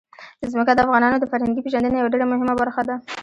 ځمکه د افغانانو د فرهنګي پیژندنې یوه ډېره مهمه برخه ده.